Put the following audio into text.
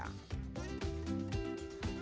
pengembangan jak wifi di ruang ketiga